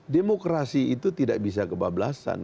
demokrasi itu tidak bisa kebablasan